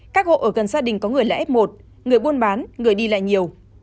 các hộ ở gần gia đình có người là f một người buôn bán người đi lại nhiều